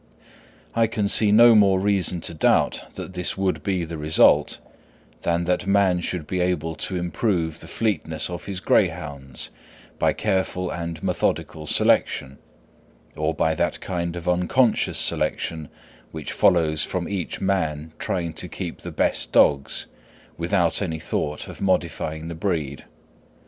I can see no more reason to doubt that this would be the result, than that man should be able to improve the fleetness of his greyhounds by careful and methodical selection, or by that kind of unconscious selection which follows from each man trying to keep the best dogs without any thought of modifying the breed.